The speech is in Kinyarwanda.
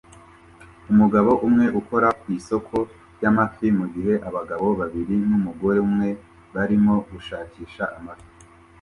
Umugabo umwe ukora ku isoko ryamafi mugihe abagabo babiri numugore umwe barimo gushakisha amafi